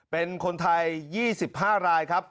เป็นคนไทย๒๕รายครับ